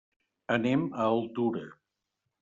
Anem a Altura.